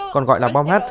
còn gọi là bom h